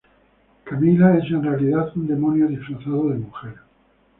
Camilla es en realidad un demonio disfrazado de mujer.